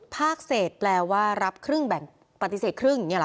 พากเศษแปลว่ารับครึ่งแบ่งปฏิเสษครึ่ง